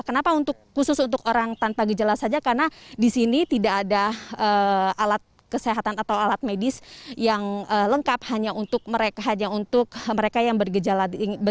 kenapa untuk khusus untuk orang tanpa gejala saja karena disini tidak ada alat kesehatan atau alat medis yang lengkap hanya untuk mereka hanya untuk mereka yang bergejala